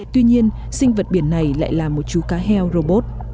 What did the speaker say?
tuy nhiên sinh vật biển này lại là một chú cá heo robot